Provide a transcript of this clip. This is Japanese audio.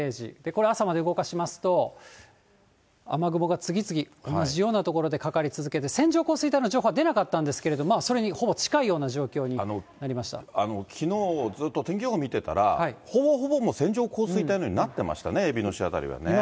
これ朝まで動かしますと、雨雲が次々、同じような所でかかり続けて、線状降水帯の情報は出なかったんですけれど、それにほぼ近いきのう、ずっと天気予報見てたら、ほぼほぼもう、線状降水帯のようになってましたね、えびの市辺りはね。